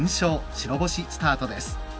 白星スタートです。